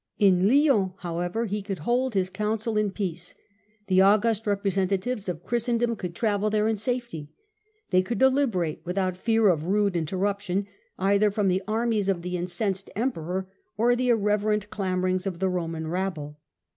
In Lyons, however, he could hold his Council in peace. The august representatives of Christendom could travel there in safety : they could deliberate without fear of rude interruption, either from the armies of the in censed Emperor or the irreverent clamourings of the Roman rabble.